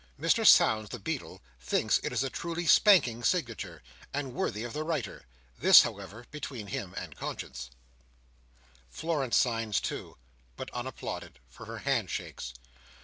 Mr Sownds the Beadle thinks it is a truly spanking signature, and worthy of the writer—this, however, between himself and conscience. Florence signs too, but unapplauded, for her hand shakes.